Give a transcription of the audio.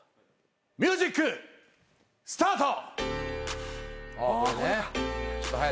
ミュージックスタート！ＯＫ